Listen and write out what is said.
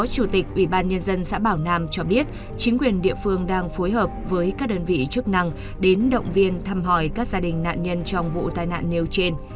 chủ tịch ủy ban nhân dân xã bảo nam cho biết chính quyền địa phương đang phối hợp với các đơn vị chức năng đến động viên thăm hỏi các gia đình nạn nhân trong vụ tai nạn nêu trên